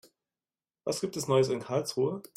Was gibt es Neues in Karlsruhe?